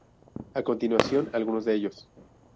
A continuación algunos de ellos.